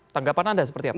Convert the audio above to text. tanggapan anda seperti apa